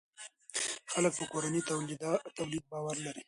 خلک په کورني تولید باور لري.